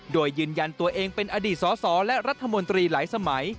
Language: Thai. โดยยืนยันตัวเองเป็นอดีตสสและรัฐมนตรีหลายสมัย